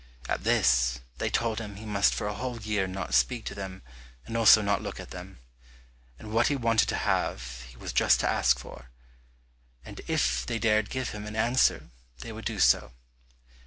At this, they told him he must for a whole year not speak to them and also not look at them, and what he wanted to have he was just to ask for, and if they dared give him an answer they would do so.